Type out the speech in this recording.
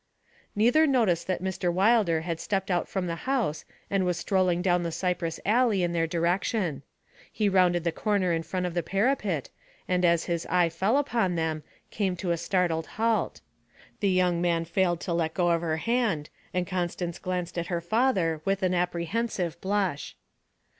Neither noticed that Mr. Wilder had stepped out from the house and was strolling down the cypress alley in their direction. He rounded the corner in front of the parapet, and as his eye fell upon them, came to a startled halt. The young man failed to let go of her hand, and Constance glanced at her father with an apprehensive blush.